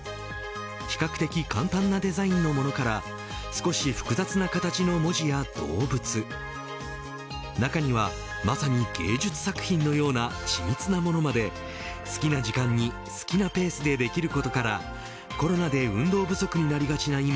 比較的簡単なデザインのものから少し複雑な形の文字や動物中にはまさに芸術作品のような緻密なものまで好きな時間に好きなペースでできることからコロナで運動不足になりがちな